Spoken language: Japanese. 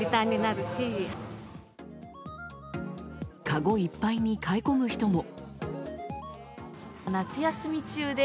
かごいっぱいに買い込む人も。